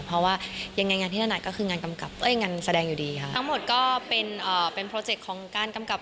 เพราะว่ายังไงงานที่หนักก็คืองานแสดงอยู่ดีค่ะ